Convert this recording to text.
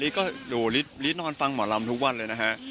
ลิสต์ก็ดูลิสต์นอนฟังหมอลำทุกวันเลยนะฮะ